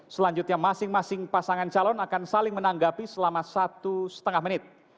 selanjutnya masing masing pasangan calon akan saling menanggapi selama satu setengah menit